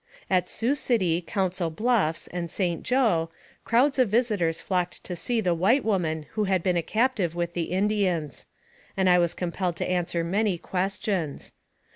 At Sioux City, Council Bluffs, and St. Joe, crowds of visitors flocked to see the white woman who had been a captive with the Indians ; and I was compelled to answer many questions.